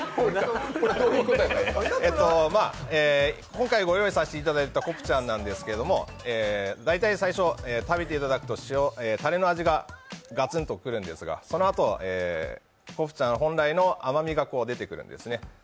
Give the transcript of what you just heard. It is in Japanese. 今回ご用意させていただいたコプチャンなんですけど大体最初食べていただくとたれの味がガツンと来るんですがそのあと、コプチャン本来の甘味が出てくるんですね。